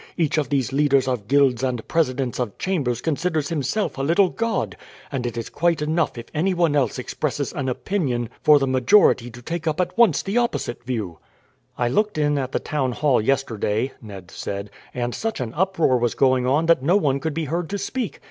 Each of these leaders of guilds and presidents of chambers considers himself a little god, and it is quite enough if anyone else expresses an opinion for the majority to take up at once the opposite view." "I looked in at the town hall yesterday," Ned said, "and such an uproar was going on that no one could be heard to speak.